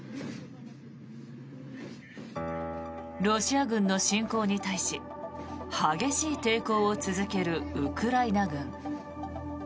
ロシア軍の侵攻に対し激しい抵抗を続けるウクライナ軍。